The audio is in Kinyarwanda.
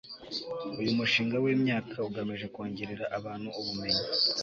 uyu mushinga w imyaka ugamije kongerera abantu ubumenyi